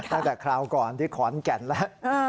ตั้งแต่คราวก่อนที่ขอนแก่นแล้ว